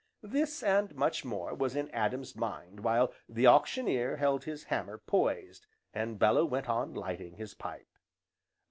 This, and much more, was in Adam's mind while the Auctioneer held his hammer poised, and Bellew went on lighting his pipe.